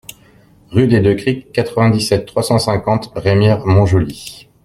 Rue des Deux Criques, quatre-vingt-dix-sept, trois cent cinquante-quatre Remire-Montjoly